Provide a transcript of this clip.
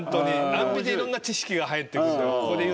『アンビ』でいろんな知識が入ってくんのよ。